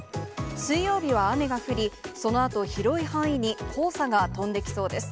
水曜日は雨が降り、そのあと広い範囲に黄砂が飛んできそうです。